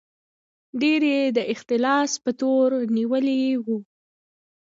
ډېر یې د اختلاس په تور نیولي وو.